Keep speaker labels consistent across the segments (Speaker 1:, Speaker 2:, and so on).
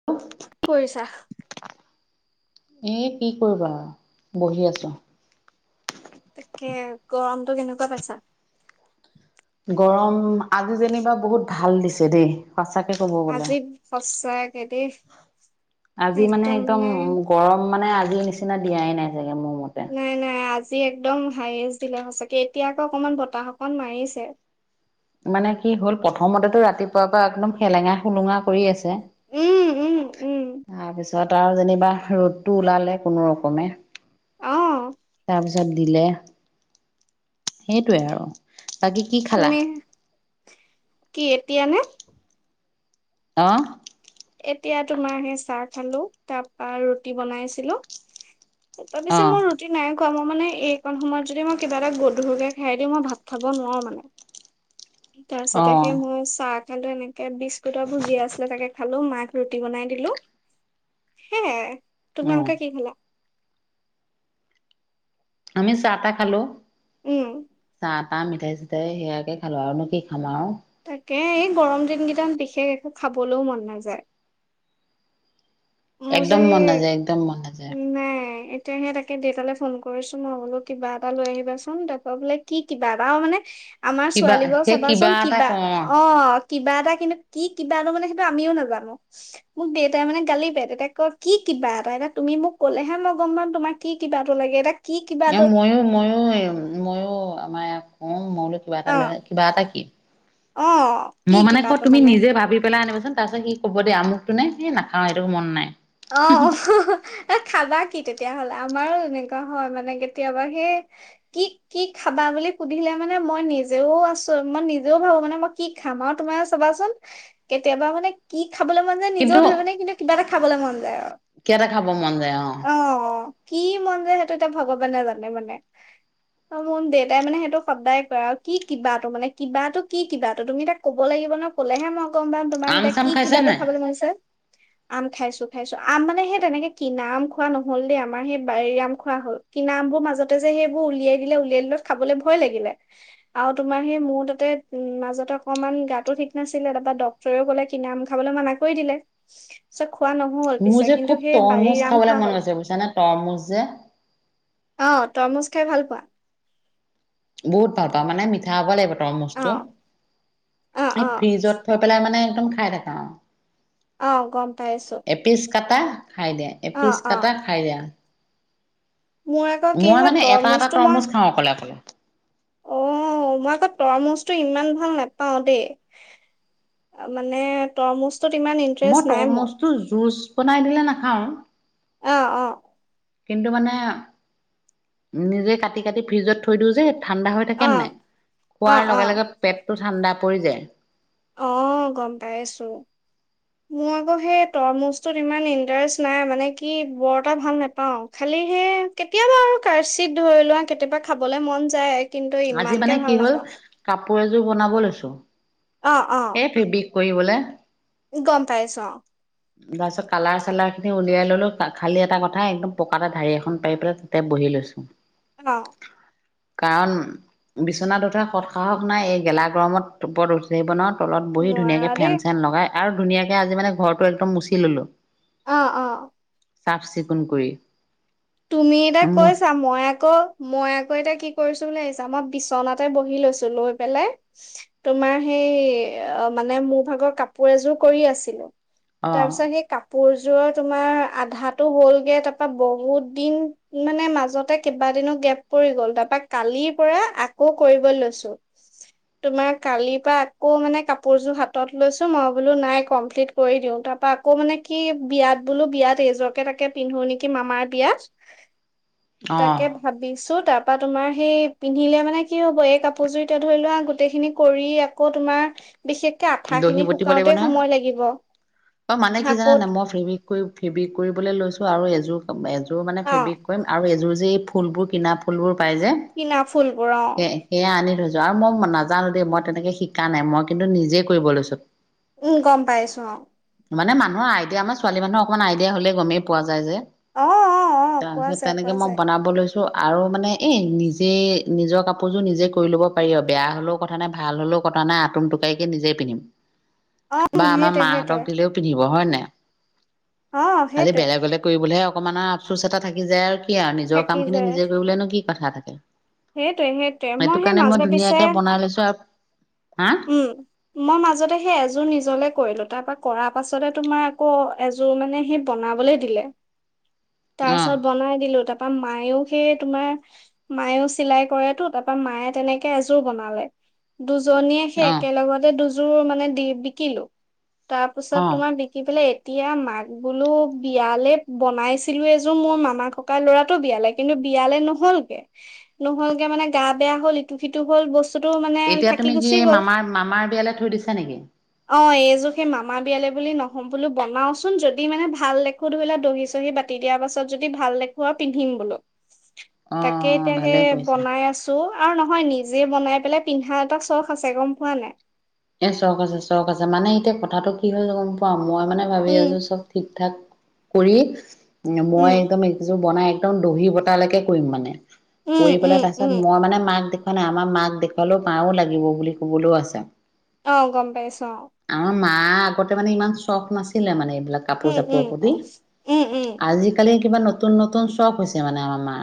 Speaker 1: [inaudible]
Speaker 2: কি কৰিছা?
Speaker 1: এনেই কি কৰিবা আও, বহি আছো।
Speaker 2: তাকে গৰমতটো কেনেকুৱা পাইছা?
Speaker 1: গৰম আজি যেনিবা বহুত ভাল দিছে দেই, সঁচাকে ক'ব গলে।
Speaker 2: আজি সঁচাকে দেই।
Speaker 1: আজি মানে একদম উ গৰম মানে আজিৰ নিচিনা দিয়াই নাই চাগে মোৰ মতে।
Speaker 2: নাই নাই আজি একদম হাইষ্ট দিলে সঁচাকে, এতিয়া আকৌ অকমান বতাহ অকণ মাৰিছে।
Speaker 1: মানে কি হ'ল প্ৰথমতেতটো ৰাতিপুৱাৰ পৰা একদম সেলেঙা সলুঙা কৰি আছে।
Speaker 2: উম উম উম।
Speaker 1: তাৰপিছত আৰু যেনিবা ৰ'দটো ওলালে কোনো ৰকমে।
Speaker 2: অঁ
Speaker 1: তাৰপিছত দিলে, সেইটোৱে আৰু বাকী কি খালা?
Speaker 2: তুমি কি এতিয়ানে
Speaker 1: অ',
Speaker 2: এতিয়া তোমাৰ সেই চাহ খালো তাৰপা ৰুটি বনাইছিলো। এ পিছে
Speaker 1: অ',
Speaker 2: মোৰ যদি নাই কোৱা মই মানে এইকণ সময়ত যদি মই কিবা এটা গধুৰকে খাই দি মই ভাত খাব নোৱাৰো মানে তাৰপিছতে
Speaker 1: অ',
Speaker 2: সেই মোৰ চাহ খালো এনেকে বিস্কুটাৰ ভুজিয়া আছিলে তাকে খালো মাক ৰুটি বনাই দিলো সেয়াই
Speaker 1: অ',
Speaker 2: তোমালোকে কি খালা
Speaker 1: আমি চাহ টাহ খালো
Speaker 2: উম',
Speaker 1: আটা মিঠাই চিঠাই সেয়াকে খালোঁ আৰুনো কি খাম আৰু
Speaker 2: তাকে এই গৰম দিন কেইটাত বিশেষ একো খাবলৈও মন নাযায়। মোৰ যে
Speaker 1: একদম
Speaker 2: সেই
Speaker 1: মন নাযায় একদম মন নাযায়
Speaker 2: নাই। তেতিয়াহে তাকে দেউতালৈ ফোন কৰিছো মই বোলো কিবা এটা লৈ আহিবাচোন দেতা বোলে কি কিবা এটা মানে আমাৰ
Speaker 1: কিবা
Speaker 2: ছোৱালীবোৰ
Speaker 1: সেই
Speaker 2: চাবাচোন
Speaker 1: এটা
Speaker 2: কিবা
Speaker 1: কওঁ
Speaker 2: অ', কিবা এটা কিন্তু কি কিবা এটা মানে সেইটো আমিও নাজানো মোক দেউতাই মানে গালি পেট এতিয়া কি কিবা এটা এতিয়া তুমি মোক ক'লেহে ন গম পাম তোমাক কি কিবাটো লাগে এতিয়া কি
Speaker 1: এ
Speaker 2: কিবাটো
Speaker 1: মইয়ো মইয়ো মইয়ো আমাৰ ইয়াক কও মই কিবা এটা
Speaker 2: অ
Speaker 1: ল কিবা এটা কি
Speaker 2: অ কি
Speaker 1: মই মানে ক
Speaker 2: কিবাটো
Speaker 1: তুমি নিজে ভাবি পেলাই আনিবাচোন তাৰ পিছত স ক'ব দিয়া আমুকটো নে সেই নাখাও সেইটো মন নাই।
Speaker 2: আহ এ খাবা কি তেতিয়াহলে আমাৰো এনেকুৱা হয় মানে কেতিয়াবা সেই কি কি খাবা বুলি সুধিলে মানে মই নিজেও আছো মই নিজেও ভাবো মানে মই কি খাম আৰু তোমাৰ চাবাচোন কেতিয়াবা মানে কি খাবলৈ মন নিজেও
Speaker 1: কিন্তু
Speaker 2: ধৰিবনে কিন্তু কিবা এটা খাবলে মন যায় আৰু
Speaker 1: কিবা এটা খাব মন যায়
Speaker 2: অ', অ', কি মন যায় সেইটো এতিয়া ভগৱানে জানে মানে অ মোৰ দেউতাই মানে সেইটো সদায় কৰে আৰু কি কিবাটো মানে কিবাটো কি কিবাটো তুমি তাক ক'ব লাগিব ন কলেহে মই গম পাম তোমাক
Speaker 1: আম
Speaker 2: এতিয়া
Speaker 1: চাম
Speaker 2: কি
Speaker 1: খাইছে
Speaker 2: কিবাটো
Speaker 1: নাই
Speaker 2: খাবলৈ মন হৈছে আম খাইছো উঠাইছো আম মানে সেই তেনেকে কিনা আম খোৱা নহল দেই আমাৰ সেই বাৰীৰ আম খোৱা হল। কিনা আমবোৰ মাজতে যে সেইবোৰ উলিয়াই দিলে উলিয়াই দিলে খাবলৈ ভয় লাগিলে আৰু তোমাৰ সেই মোৰ তাতে উম মাজতে অকনমান গা ঠিক নাছিলে তাৰপা ডক ৰেও কলে কিনা আম খাবলে মানা কৰি দিলে পিছত খোৱা ন
Speaker 1: মোৰ যে খুব তৰমুজ খাবলৈ মন গৈছে বুজছানে তৰমুজ যে
Speaker 2: অ তৰমুজ খাই ভাল পোৱা?
Speaker 1: বহুত ভাল পাওঁ মানে মিঠা হব লাগিব।
Speaker 2: অ
Speaker 1: তৰমুজটো
Speaker 2: অ অ
Speaker 1: ফ্ৰিজত থৈ পেলাই মানে একদম খাই থাকা আৰু
Speaker 2: অ গম পাইছো।
Speaker 1: এপিচ কাটা খাই দিয়া
Speaker 2: অ
Speaker 1: এপিচ
Speaker 2: অ
Speaker 1: কাটা খাই দিয়া
Speaker 2: মোৰ আকৌ কি
Speaker 1: মই
Speaker 2: হয়
Speaker 1: মানে এটা এটা
Speaker 2: তৰমুজটো মই
Speaker 1: তৰমুজ খাওঁ অকলে অকলে
Speaker 2: অ মই আকৌ তৰমুজটো ইমান ভাল নাপাও দেই। মানে তৰমুজ টো ইমান ইন্টাৰেষ্ট
Speaker 1: মই
Speaker 2: নাই মোৰ।
Speaker 1: তৰমুজটো জুচ বনাই দিলে নাখাওঁ।
Speaker 2: অ অ
Speaker 1: কিন্তু মানে নিজে কাটি কাটি ফ্ৰিজত থৈ দিওঁ যে ঠাণ্ডা হৈ কিনে নাই
Speaker 2: অ',
Speaker 1: খোৱাৰ
Speaker 2: অ',
Speaker 1: লগে
Speaker 2: অ',
Speaker 1: লগে পেটটো ঠাণ্ডা পৰি যায়।
Speaker 2: অ', গম পাই আছোঁ। মোৰ আকৌ সেই তৰমুজটোত ইমান ইণ্টাৰেষ্ট নাই মানে কি বৰ এটা ভাল নেপাও। খালি সেই কেতিয়াবা আৰু কাৰচিত ধৰি লোৱা কেতিয়াবা খাবলে মন যায়। কিন্তু
Speaker 1: আজি মানে
Speaker 2: ইমানকে
Speaker 1: কি
Speaker 2: ভাল
Speaker 1: হ'ল
Speaker 2: নাপাওঁ।
Speaker 1: কাপোৰ এযোৰ বনাব লৈছোঁ।
Speaker 2: অ', অ'।
Speaker 1: এই ফেব্ৰিক কৰিবলে।
Speaker 2: গম পাইছোঁ অ'।
Speaker 1: তাৰপিছত কালাৰ চালাৰখিনি উলিয়াই ল'লোঁ, খালী এটা কথা একদম পকাতে ঢাৰি এখন পাৰি পেলাই তাতে বহি লৈছোঁ।
Speaker 2: অ'।
Speaker 1: কাৰণ বিচনাত উঠা সৎ সাহস নাই এই গেলা গৰমত। ওপৰত উঠিব নোৱাৰো তলত বহি
Speaker 2: নোৱাৰা
Speaker 1: ধুনীয়াকে
Speaker 2: দেই।
Speaker 1: ফেন চেন লগাই আৰু ধুনীয়াকে আজি মানে ঘৰটো একদম মুচি ল'লো।
Speaker 2: অ', অ'।
Speaker 1: চাফ চিকুণ কৰি।
Speaker 2: তুমি এতিয়া
Speaker 1: মুচ
Speaker 2: কৈছা মই আকৌ মই আকৌ এতিয়া কি কৰিছোঁ বুলি ভাবিছা মই বিছনাতে বহি লৈছোঁ, লৈ পেলাই তোমাৰ সেই মানে মোৰ ভাগৰ কাপোৰ এযোৰ কৰি আছিলোঁ।
Speaker 1: অ
Speaker 2: তাৰপিছত সেই কাপোৰযোৰৰ তোমাৰ আধাটো হ'লগে তাৰ পৰা বহুত দিন মানে মাজতে কেইবাদিনো গেপ পৰি গ'ল তাৰপা কালিৰ পৰা আকৌ কৰিব লৈছোঁ। তোমাৰ কালিৰ পৰা আকৌ মানে কাপোৰযোৰ হাতত লৈছো মই বোলো নাই কমপ্লিট কৰি দিওঁ, তাৰ পৰা আকৌ মানে কি বিয়াত বোলো বিয়াত এইযোৰকে তাকে পিন্ধো নেকি মামাৰ বিয়াত।
Speaker 1: অ
Speaker 2: তাকে ভা ভাবিছোঁ, তাৰপা তোমাৰ সেই পিন্ধিলে মানে কি হ'ব এই কাপোৰ জুৰিতে ধৰি লোৱা গোটেইখিনি কৰি আকৌ তোমাৰ বিশেষকে আঠা
Speaker 1: দহি
Speaker 2: খিনি
Speaker 1: বটিব লাগিব
Speaker 2: শুকাওঁতে
Speaker 1: নহয়
Speaker 2: সময় লাগিব,
Speaker 1: অ মানে কি
Speaker 2: আকৌ
Speaker 1: জানানে মই ফেব্ৰিক কৰি ফেব্ৰিক কৰিবলৈ লৈছোঁ আৰু এযোৰ ক এযোৰ মানে
Speaker 2: অ
Speaker 1: ফেব্ৰিক কৰিম আৰু এযোৰ যে এই ফুলবোৰ কিনা ফুলবোৰ পাই যে
Speaker 2: কিনা ফুলবোৰ অ'।
Speaker 1: সে সেয়া আনি থৈছোঁ আৰু মই নাজানো দেই মই তেনেকে শিকা নাই মই কিন্তু নিজে কৰিব লৈছোঁ।
Speaker 2: উম গম পাইছোঁ অ'।
Speaker 1: মানে মানুহৰ আইডিয়া, আমাৰ ছোৱী মানুহৰ অকমাণ আইডিয়া হ'লে গমেই পোৱা যায় যে।
Speaker 2: অ অ অ পোৱা
Speaker 1: তাৰপিছত
Speaker 2: যায়
Speaker 1: তেনেকে
Speaker 2: পোৱা
Speaker 1: মই
Speaker 2: যায়
Speaker 1: বনাব লৈছোঁ। ত' আৰু মানে এই নিজে নিজৰ কাপোৰযোৰ নিজে কৰি ল'ব পাৰি আৰু বেয়া হ'লেও কথা নাই ভাল হ'লেও কথা নাই আতুম টোকাৰিকে নিজে পিন্ধিম
Speaker 2: অ
Speaker 1: বা
Speaker 2: উম
Speaker 1: আমাৰ
Speaker 2: সেইটোৱে সেইটোৱে
Speaker 1: মাহঁতক দিলেও পিন্ধিব হয় নাই,
Speaker 2: অ
Speaker 1: আজি
Speaker 2: সেইটোৱে
Speaker 1: বেলেগ বেলেগ কৰিবলৈহে অকমান আৰু আফচোচ এটা থাকি যায় আৰু কি আৰু নিজৰ কাম
Speaker 2: থাকি
Speaker 1: খিনি
Speaker 2: যায়
Speaker 1: নিজে কৰিবলেনো কি কথা থাকে।
Speaker 2: সেইটোৱে সেইটোৱে
Speaker 1: সেইটো
Speaker 2: সেই
Speaker 1: কাৰণে
Speaker 2: মাজতে
Speaker 1: মই
Speaker 2: পিছে
Speaker 1: ধুনীয়াকে বনাই লৈছোঁ আৰু হা
Speaker 2: উম, মই মাজতে সেই এজোৰ নিজলে কৰিলোঁ, তাৰপা কৰা পাছতে তোমাৰ আকৌ এজো জোৰ মানে সি বনাবলৈ দিলে, তাৰ পিছত
Speaker 1: অ
Speaker 2: বনাই দিলোঁ, তা মায়েও সেই তোমাৰ মায়েও চিলাই কৰেটো, তাৰপৰা মায়ে তেনেকে এযোৰ বনালে। দুজনীয়ে সে
Speaker 1: অ
Speaker 2: একেলগতে দুযোৰ মানে দি বিকিলোঁ, তাৰ পিছত
Speaker 1: অ
Speaker 2: তোমাৰ বিকি পেলাই এতিয়া মাক বোলো বিয়ালে বনাইছিলোঁ এযোৰ মোৰ মামাৰ ককা ল'ৰাটোৰ বিয়ালে। কিন্তু বিয়ালে নহ'লগে, নহ'লগে মানে গা বেয়া হ'ল এত ইটো-সিটো হ'ল, বস্তুটো মানে
Speaker 1: এতিয়া তুমি
Speaker 2: থাকি
Speaker 1: কি
Speaker 2: গুচি গ'ল।
Speaker 1: মামাৰ মামাৰ বিয়ালে থৈ দিছা নেকি?
Speaker 2: অ', এইযোৰ সেই মামা বিয়ালে বুলি নহয়, বোলো বনাওচোন যদি মানে ভাল দেখো, ধৰিলও দহি-চহি বাট তেতিয়াৰ পাছত যদি, ভাল লাগিব আৰু পিন্ধিম বোলো।
Speaker 1: অ
Speaker 2: তাকে এতিয়া
Speaker 1: ভালে
Speaker 2: সেই
Speaker 1: কৰিছা
Speaker 2: বনাই আছো, আৰু নহয় নিজে বনাই পেলাই পিন্ধা, এটা চখ আছে গম- পোৱা নাই।
Speaker 1: এ ছশ আছে, ছশ আছে, মানে এতিয়া কথাটো কি হ'ল, গম পাওঁ, মই মানে ভাবি
Speaker 2: উম,
Speaker 1: আছো, চব ঠিক-ঠাক কৰি মই
Speaker 2: উম,
Speaker 1: একদম এইযোৰ বনাই, একদম দহি বতালৈকে কৰিম মানে।
Speaker 2: উম,
Speaker 1: কৰি
Speaker 2: উম,
Speaker 1: পেলাই পাছত,
Speaker 2: উম,
Speaker 1: মই মানে মাক দেখুৱাই নাই, আমাৰ মাক দেখালও পাৰো, লাগিব বুলি কবলৈও আছে।
Speaker 2: অ', গম পাইছো অ'।
Speaker 1: আমাৰ মা আগতে মানে, ইমান চখ নাছিলে মানে, এইবিলাক
Speaker 2: উম, উম।
Speaker 1: কাপোৰ-চাপোৰ প্ৰতি,
Speaker 2: উম, উম,
Speaker 1: আজিকালি কিবা নতুন, নতুন চখ হৈছে মানে আমাৰ মা।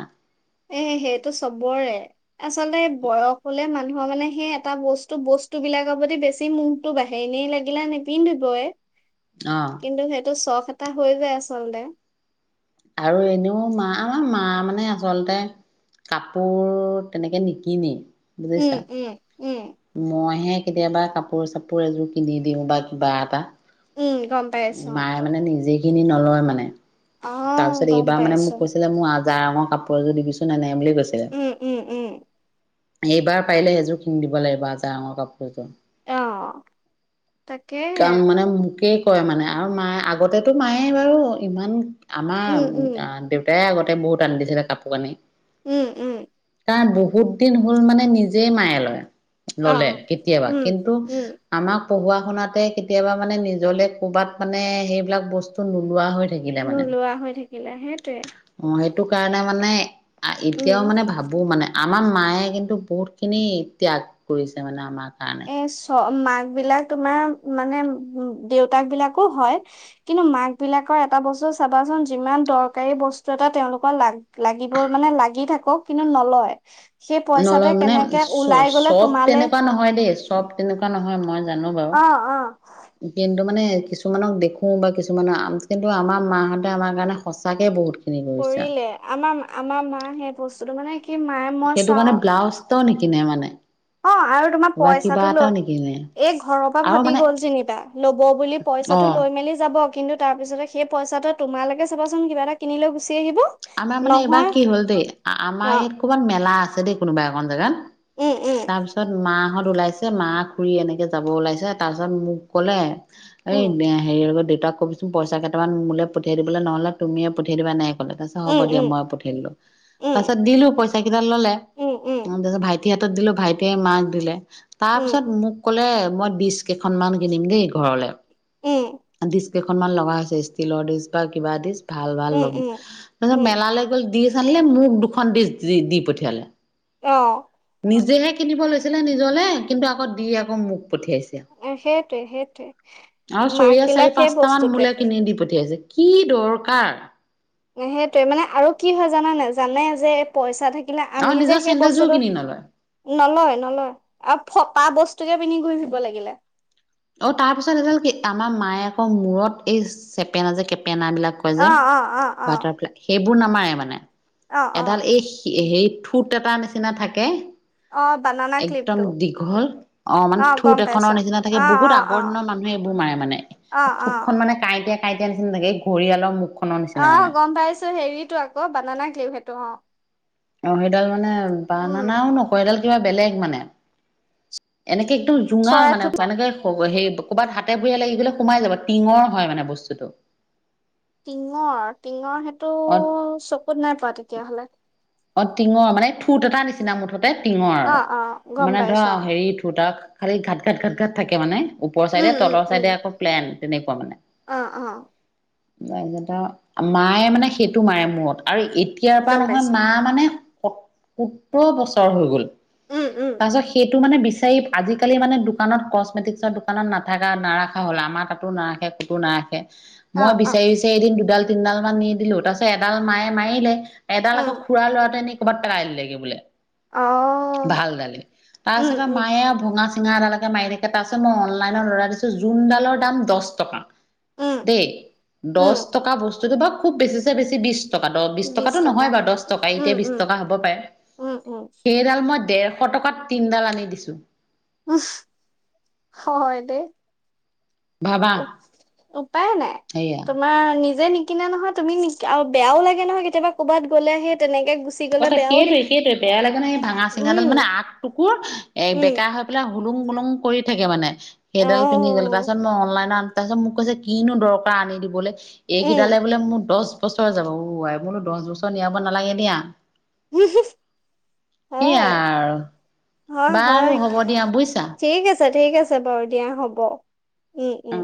Speaker 2: এ সেইটো চবৰে। আচলতে বয়স হ'লে, মানুহৰ মানে সেই এটা, বস্তু, বস্তু বিলাকৰ প্ৰতি বেছি মুহ টো বাঢ়ে, এনেই লাগিলে নিপিন্ধিবয়।
Speaker 1: অ'।
Speaker 2: কিন্তু সেইটো, চখ এটা হৈ যায় আচলতে।
Speaker 1: আৰু এনেও মা, আমাৰ মা মানে আচলতে কাপোৰ তেনেকে নিকিনে
Speaker 2: উম, উম, উম।
Speaker 1: মই হে কেতিয়াবা কাপোৰ-চাপোৰ এযোৰ কিনি দিওঁ বা কিবা এটা।
Speaker 2: উম, গম পাইছো
Speaker 1: মায়ে মানে নিজে কিনি নলয় মানে।
Speaker 2: অ',
Speaker 1: তাৰপিছত
Speaker 2: গম
Speaker 1: এইবাৰ মানে
Speaker 2: পাইছো।
Speaker 1: মোক কৈছিলে, মোৰ আজাৰ ৰঙৰ কাপোৰ এযোৰ দিবিছোন এনে বুলি কৈছিলে,
Speaker 2: উম, উম, উম,
Speaker 1: এইবাৰ পাৰিলে, সেইযোৰ কিনি দিব লাগিব আজাৰ ৰঙৰ কাপোৰযোৰ।
Speaker 2: অ', তাকেহে।
Speaker 1: কাৰণ, মানে মোকে কয় মানে, আৰু মায়ে আগতেতো মায়ে বাৰু, ইমান
Speaker 2: উম,
Speaker 1: আমাৰ
Speaker 2: উম,
Speaker 1: দেউ এ আগতে বহুত দান দি থাকে, কাপোৰ কানি।
Speaker 2: উম, উম।
Speaker 1: তাৰ বহুত দিন হ'ল মানে, নিজেই মায়ে লয়, ল'লে
Speaker 2: অ',
Speaker 1: কেতিয়াবা,
Speaker 2: উম,
Speaker 1: কিন্তু
Speaker 2: উম,
Speaker 1: আমাক পঢ়োৱা শুনাতে কেতিয়াবা মানে, নিজলে কৰ'বাত মানে সেইবিলাক বস্তু নোলোৱা হৈ থাকিলে মানে
Speaker 2: নোলোৱা হৈ থাকিলে সেইটোৱে।
Speaker 1: অ', সেইটো কাৰণে, মানে
Speaker 2: উম,
Speaker 1: এতিয়াও মানে ভাবো বো মানে, আমাৰ মায়ে কিন্তু বহুতখিনি ত্যাগ কৰিছে, মানে আমাৰ কাৰণে।
Speaker 2: এ চ মাক বিলাক তোমাৰ মানে, দেউতাক বিলাকো হয়। কিন্তু মাক বিলাকৰ এটা বস্তু চাবাচোন, যিমান দৰকাৰী বস্তু এটা তেওঁওলোকৰ লাগ লাগিব মানে লাগি থাকক, কিন্তু নলয়। সেই পইচাটোৱে
Speaker 1: নলয় মানে
Speaker 2: কেনেকে
Speaker 1: চ
Speaker 2: ওলাই গ'লে
Speaker 1: চখ,
Speaker 2: তোমালে
Speaker 1: তেনেকুৱা নহয় দেই। চব তেনেকুৱা নহয় মই জানো বাৰু।
Speaker 2: অ', অ',
Speaker 1: কিন্তু মানে, কিছুমানক দেখো বা কিছুমানৰ কিন্তু, আমাৰ মাহঁতে আমাৰ কাৰণে সঁচাকে বহুত খিনি কৰিছে
Speaker 2: কৰিলে, আমাৰ, আমাৰ মা সেই বস্তুটো মানে কি মায়ে মই
Speaker 1: সেইটো কাৰণে,
Speaker 2: চাওঁ
Speaker 1: ব্লাউজ এটাও নিকনে মানে।
Speaker 2: অ', আৰু তোমাৰ
Speaker 1: বা কিবা
Speaker 2: পইচাটো
Speaker 1: এটাও
Speaker 2: লৈ
Speaker 1: নিকিনে
Speaker 2: এ ঘৰৰ পৰা
Speaker 1: আৰু
Speaker 2: ভাবি
Speaker 1: মানে
Speaker 2: গ'ল যেনিবা, ল'ব বুলি
Speaker 1: অ
Speaker 2: পইচাটো লৈ মেলি যাব কিন্তু তাৰপিছতে সেই পইচাটো তোমালকে চাবাচোন কিবা এটা কিনি লৈ গুচি আহিব।
Speaker 1: আমাৰ মানে এইবাৰ
Speaker 2: নহয়
Speaker 1: কি হ'ল দেই, আমাৰ
Speaker 2: অ
Speaker 1: ইয়াত ক'ৰবাত মেলা আছে দেই কোনোবা এখন জেগাত।
Speaker 2: উম
Speaker 1: তাৰপিছত মাহত ওলাইছে মাহ খুৰি এনেকে যাব ওলাইছে তাৰ পিছত মোক কলে
Speaker 2: উম
Speaker 1: এ হেৰি লগত দেউতাক কব পইচা কেইটামান মোলে পঠিয়াই দিবলৈ নহ'লে তুমিয়ে পঠিয়াই দিব নাই কলে। হ'ব দিয়া
Speaker 2: উম
Speaker 1: মই পঠাই দিলোঁ
Speaker 2: উম
Speaker 1: তাৰ পিছত দিলোঁ পইচা কেইটা ললে
Speaker 2: উম উম
Speaker 1: তাৰ ভাই ভি হাতত দিলো ভাইটিয়ে মাক দিলে
Speaker 2: উম উম
Speaker 1: তাৰপিছত মোক কলে মই দিশ কেইখনমান কিনিম দেই ঘৰলে।
Speaker 2: উম।
Speaker 1: ডিচ কেইখনমান লগা হৈছে, ষ্টীলৰ ডিচ বা কিবা ডিচ ভাল, ভাল
Speaker 2: উম
Speaker 1: লব।
Speaker 2: উম
Speaker 1: তাৰপিছত
Speaker 2: উম
Speaker 1: মেলালৈ গ'ল দি আনিলে মোক দুখন ডিছ দি দি পঠিয়ালে।
Speaker 2: অ'।
Speaker 1: নিজেহে কিনিব লৈছিলে নিজলে, কিন্তু আকৌ দি আকৌ মখ পঠিয়াইছিল।
Speaker 2: অ সেইটোৱে সেইটোৱে
Speaker 1: আৰু
Speaker 2: মাক
Speaker 1: চৰিয়া
Speaker 2: বিলাক
Speaker 1: চাৰি
Speaker 2: সেই
Speaker 1: পাঁচটা মান
Speaker 2: বস্তুটোৱে
Speaker 1: মূলে কিনি দি পঠিয়াইছে। কি দৰকাৰ।
Speaker 2: সেইটোৱে মানে আৰু কি হয় জানানে জানে যে পইচা থাকিলে
Speaker 1: আৰু
Speaker 2: আমি
Speaker 1: নিজৰ
Speaker 2: যে সেই
Speaker 1: চেন্দেলযোৰ
Speaker 2: বস্তুটো
Speaker 1: কিনি নলয়
Speaker 2: নলয়, নলয় আৰু ফটা বস্তুকে পিন্ধি ঘুৰি ফিব লাগিলে।
Speaker 1: অ', তাৰ পিছত এডাল কি আমাৰ মায়ে আকৌ মূৰত এই চেপেনা যে কেপেনা বিলাক কয় যে
Speaker 2: অ অ অ অ
Speaker 1: বাটাৰফ্লাই সেইবোৰ নামাৰে মানে
Speaker 2: অ অ
Speaker 1: এডাল এই সেই ঠোঁট এটা নিচিনা থাকে।
Speaker 2: অ বানানা
Speaker 1: একদম
Speaker 2: ক্লিপটো
Speaker 1: দীঘল অ', মানে ঠোঁট
Speaker 2: গম
Speaker 1: এখনৰ
Speaker 2: পাইছো
Speaker 1: নিচিনা থাকে
Speaker 2: অ
Speaker 1: বহুত বহুত
Speaker 2: অ অ
Speaker 1: আগৰ দিনৰ মানুহে এইবোৰ মানে
Speaker 2: অ অ
Speaker 1: থোপখন মানে কাইটিয়াই কাইটিয়া নিচিনা থাকে এই ঘৰিয়ালৰ মুখখন।
Speaker 2: অ', গম পাইছো হেৰিতো আকৌ বানানা কিলিপ সেইটো অ'।
Speaker 1: অ', সেইডাল মানে ব
Speaker 2: উম
Speaker 1: নানাও নকয়ডাল কিবা বেলেগ মানে। এনেকে একদম জুঙাল
Speaker 2: চৰাই
Speaker 1: মানে
Speaker 2: ঠোট ন
Speaker 1: এনেকে হে ক'ৰবাত হাতে ভৰিয়ে লাগি গলে সোমাই যাব টিঙৰ হয় মানে বস্তুটো।
Speaker 2: টিঙৰ, টিঙৰ সেইটো
Speaker 1: অ
Speaker 2: চকুত নাই পোৱা তেতিয়াহ'লে।
Speaker 1: অ', টিঙৰ মানে থোঁট এটা নিচিনা মুঠতে টিঙৰ আৰু
Speaker 2: অ অ গম
Speaker 1: মানে ধৰা
Speaker 2: পাইছো অ
Speaker 1: হেৰি ঠোঁট খালি ঘাট, ঘাট, ঘাট, ঘাট থাকে মানে ওপৰৰ
Speaker 2: উম
Speaker 1: চাইডে
Speaker 2: উম
Speaker 1: তলৰ
Speaker 2: উম
Speaker 1: চাইদে আকৌ প্লেন তেনেকুৱা মানে।
Speaker 2: অ', অ'।
Speaker 1: তেনেকুৱা মায়ে মানে সেইটো মাৰে মূৰত আৰু এতিয়াৰ পৰা
Speaker 2: গম
Speaker 1: নহয়।
Speaker 2: পাইছো
Speaker 1: মা মানে স-সতৰ বছৰ হৈ গল
Speaker 2: উম উম
Speaker 1: তাৰপিছত সেইটো মানে বিচাৰি। আজিকালি মানে দোকানত কচমেটিকছৰ দোকানত নাথাকা নাৰাখা হ'ল আমাৰ তাতো নাৰাখে ক'তো নাৰাখে।
Speaker 2: অ
Speaker 1: মই
Speaker 2: অ
Speaker 1: বিচাৰি, বিচাৰি এদিন দুডাল, তিনিডাল মান নিদিলো তাৰপিছত এডাল মায়ে মাৰিলে এডাল আকৌ
Speaker 2: উম
Speaker 1: খুৰা লৰাটোৱে নি কৰাবাত ৰাই দগে বোলে
Speaker 2: অ
Speaker 1: ভালাল
Speaker 2: উম
Speaker 1: তাৰপিছত
Speaker 2: উম
Speaker 1: মায়ে আও ভঙা, চিঙা এডালৈকে মাৰি থাকে তাৰ পিছত মই অনলাইনত লৰাাই দিছো জোনডালৰ দাম দহ টকা।
Speaker 2: উম
Speaker 1: দেই দহ টকা বস্তুটো বা খুব বেছিছে বেছি বিশ টকা দহ বিশ
Speaker 2: উম
Speaker 1: টকাতটো
Speaker 2: টকা
Speaker 1: নহয় বাৰু দহ টকা
Speaker 2: উম
Speaker 1: এতিয়া বিশ
Speaker 2: উম
Speaker 1: টকা হ'ব পাৰে
Speaker 2: উম উম
Speaker 1: সেইডাল মই দেৰ ক টকাত তিনডাল আনি দিছোঁ।
Speaker 2: [unintelligible] হয় দে।
Speaker 1: ভাবা
Speaker 2: উপ-উপায় নাই
Speaker 1: সেয়া
Speaker 2: তোমাৰ নিজে নি কিনে নহয় তুমি বেয়াও লাগে নহয় কেতিয়া ক'ৰবাত গ'লে তেনেকে গু
Speaker 1: অ', সেইটোৱে, সেইটোৱে বেয়া লাগে নে সেই ভাঙা চিঙাডাল
Speaker 2: উম
Speaker 1: মানে আগ টুকুৰ এ
Speaker 2: উম
Speaker 1: বেকা হয়। [unintelligible] হোুলুং বোলুং কৰি থাকে মানে সেইডাল পিন্ধি গ'লে তাৰ
Speaker 2: অ'
Speaker 1: পিছত মই অনলাইনত তাৰপিছত মোক কৈছে কিনো দৰকাৰ আনি দিবলৈ
Speaker 2: উম
Speaker 1: এইকিডালে বোলে মোৰ দহ বছৰ যাব [unintelligible] দহ বছৰ নিয়াব নালাগে দিয়া।
Speaker 2: [unintelligible]
Speaker 1: সেইয়া
Speaker 2: হয়
Speaker 1: আৰু।
Speaker 2: হয়
Speaker 1: বাৰু
Speaker 2: হয়,
Speaker 1: হ'ব দিয়া বুজিছা
Speaker 2: ঠিক আছে ঠিক আছে। [unintelligible] বাৰু দিয়া হ'ব, উম, উম।